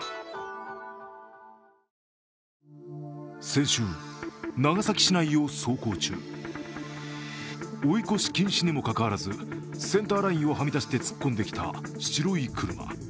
先週、長崎市内を走行中、追い越し禁止にもかかわらず、センターラインをはみ出して突っ込んできた、白い車。